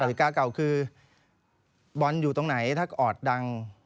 นาฬิกาเก่าคือบอลอยู่ตรงไหนถ้าออดดัง